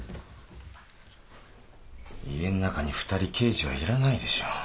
家の中に２人刑事はいらないでしょ。